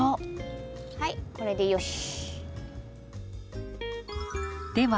はいこれでよし。